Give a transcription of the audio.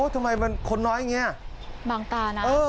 ทำไมมันคนน้อยอย่างนี้